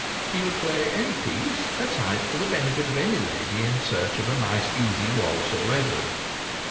He would play any "piece" at sight for the benefit of any lady in search of a nice easy waltz or reverie.